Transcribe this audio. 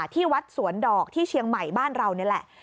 ที่วัดสวนดอกที่เชียงใหม่บ้านเรานี่แหละ